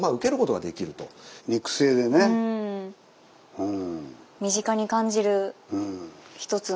うん。